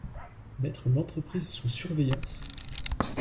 Mettre l’entreprise sous surveillance ?